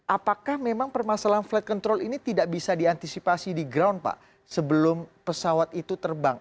apakah memang permasalahan flight control ini tidak bisa diantisipasi di ground pak sebelum pesawat itu terbang